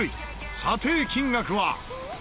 査定金額は。